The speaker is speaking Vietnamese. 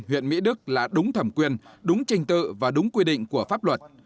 huyện mỹ đức là đúng thẩm quyền đúng trình tự và đúng quy định của pháp luật